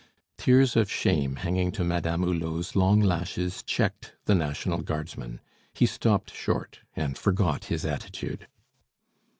Tears of shame hanging to Madame Hulot's long lashes checked the National Guardsman. He stopped short, and forgot his attitude.